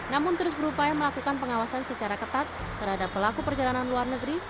namun terus berupaya melakukan pengawasan secara ketat terhadap pelaku perjalanan luar negeri